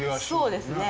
そうですね。